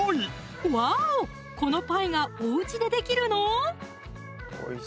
このパイがおうちでできるの？